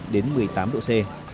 đến một mươi tám độ c